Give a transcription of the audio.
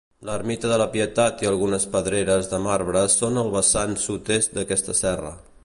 L'Ermita de la Pietat i algunes pedreres de marbre són al vessant sud-est d'aquesta serra.